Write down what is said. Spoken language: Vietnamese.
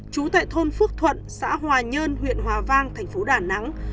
trú tại thôn phước thuận xã hòa nhơn huyện hòa vang thành phố đà nẵng